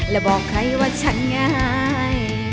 และบอกใครว่าฉันง่าย